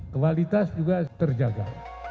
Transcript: kualitas juga terjaga